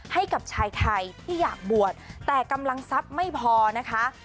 ให้กับชายไทยที่อยากบวชแต่กำลังทรัพย์ไม่พอนะคะ